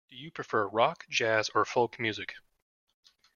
Do you prefer rock, jazz, or folk music?